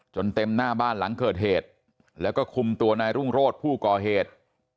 เต็มหน้าบ้านหลังเกิดเหตุแล้วก็คุมตัวนายรุ่งโรธผู้ก่อเหตุ